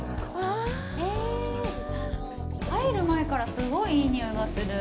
入る前からすごいいいにおいがする。